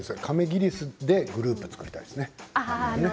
ギリスでグループを作りたいですね。